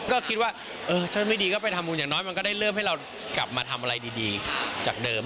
ก็คิดว่าเออถ้าไม่ดีก็ไปทำบุญอย่างน้อยมันก็ได้เริ่มให้เรากลับมาทำอะไรดีจากเดิม